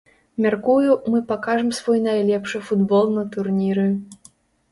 Мяркую, мы пакажам свой найлепшы футбол на турніры.